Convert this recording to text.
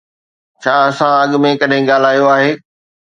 ڇا اسان اڳ ۾ ڪڏهن ڳالهايو آهي؟